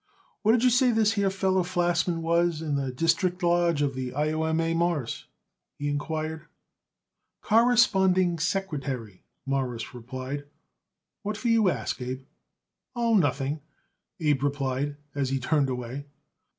"What did you say this here feller Flachsman was in the district lodge of the I. O. M. A., Mawruss?" he inquired. "Corresponding secretary," Morris replied. "What for you ask, Abe?" "Oh, nothing," Abe replied as he turned away.